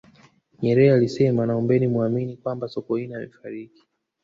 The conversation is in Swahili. nyerere alisema naombeni muamini kwamba sokoine amefariki